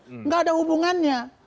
tidak ada hubungannya